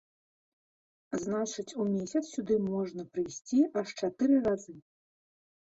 Значыць у месяц сюды можна прыйсці аж чатыры разы.